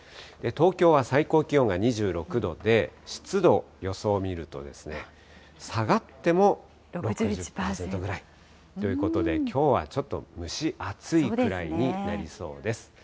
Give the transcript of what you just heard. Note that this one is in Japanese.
東京は最高気温が２６度で、湿度、予想見るとですね、下がっても６１％ぐらいということで、きょうはちょっと蒸し暑いくらいになりそうです。